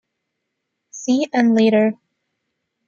See and later.